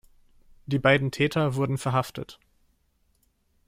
Die beiden Täter wurden verhaftet.